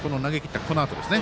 このあとですね。